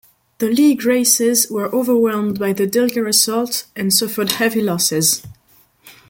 The League races were overwhelmed by the Dilgar assault and suffered heavy losses.